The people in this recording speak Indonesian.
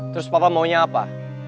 terus papa maunya apa